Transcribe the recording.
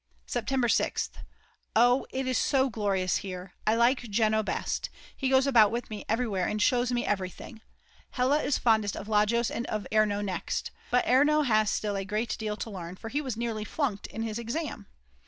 September 6th. Oh it is so glorious here. I like Jeno best, he goes about with me everywhere and shows me everything; Hella is fondest of Lajos and of Erno next. But Erno has still a great deal to learn, for he was nearly flunked in his exam.